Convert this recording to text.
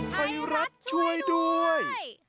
ไทยรัฐช่วยด้วย